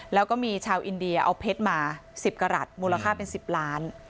แล้วก็มีชาวอินเดียเอาเพชรมา๑๐กรัฐมูลค่าเป็น๑๐ล้าน